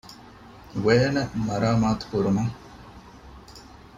ވޭނެއް މަރާމާތުކުރުމަށް